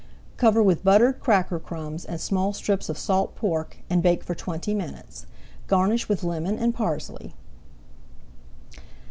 Cover with buttered cracker crumbs and small strips of salt pork, and bake for twenty minutes. Garnish with lemon and parsley.